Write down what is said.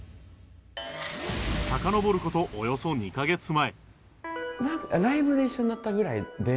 さかのぼる事およそ２カ月前